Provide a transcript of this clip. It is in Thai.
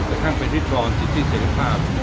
แต่ข้างเป็นพิธรรมจิติเสียงคาด